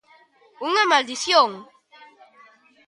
Unha maldición.